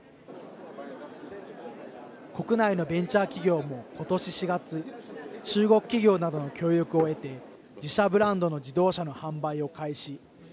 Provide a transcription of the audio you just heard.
国内のベンチャー企業もことし４月中国企業などの協力を得て自社ブランドの自動車の販売を開始。